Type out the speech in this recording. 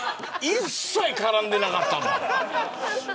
一切絡んでなかったもん。